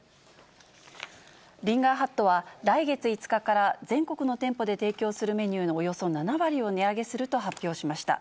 リンガーハットは、来月５日から全国の店舗で提供するメニューのおよそ７割を値上げすると発表しました。